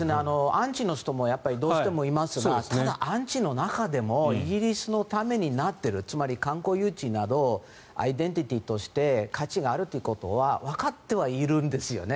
アンチの人もどうしてもいますがただ、アンチの中でもイギリスのためになっているつまり観光誘致などアイデンティティーとして価値があるということはわかってはいるんですよね。